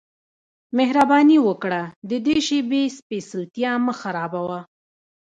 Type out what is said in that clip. مهرباني وکړه د دې شیبې سپیڅلتیا مه خرابوه